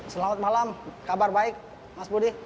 selamat malam kabar baik mas budi